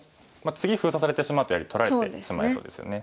次封鎖されてしまうとやはり取られてしまいそうですよね。